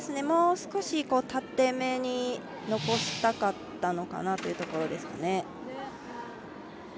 もう少し縦めに残したかったのかなというところですね。